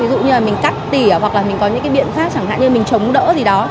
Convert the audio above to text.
ví dụ như là mình cắt tỉa hoặc là mình có những cái biện pháp chẳng hạn như mình chống đỡ gì đó